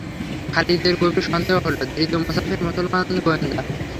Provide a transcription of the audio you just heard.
খালিদের গভীর সন্দেহ হলো যে, ধৃত মুসাফির মুসলমান গোয়েন্দা।